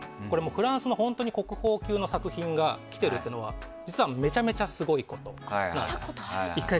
フランスの本当に国宝級の作品が来てるというのは実はめちゃくちゃすごいんです。